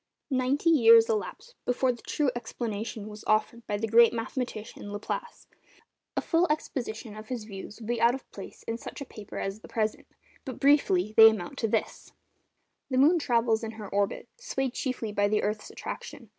Ninety years elapsed before the true explanation was offered by the great mathematician Laplace. A full exposition of his views would be out of place in such a paper as the present, but, briefly, they amount to this:— The moon travels in her orbit, swayed chiefly by the earth's attraction.